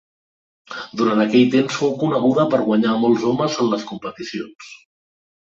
Durant aquell temps fou coneguda per guanyar a molts homes en les competicions.